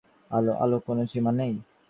অধ্যাপক ইব্রাহীম বলেন, বিজ্ঞানের কোনো সীমা নেই।